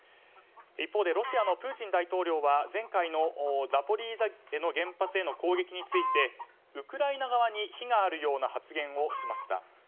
一方でロシアのプーチン大統領は前回のザポリージャ原発への攻撃についてウクライナ側に非があるような発言をしました。